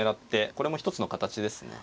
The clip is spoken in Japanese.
これも一つの形ですね。